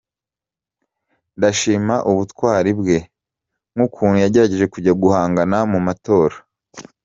Ndashima ubutwari bwe n’ukuntu yagerageje kujya guhangana mu matora